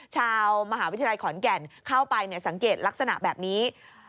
ชาวมหาวิทยาลัยขอนแก่นเข้าไปสังเกตลักษณะแบบนี้